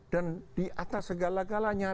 dan di atas segala galanya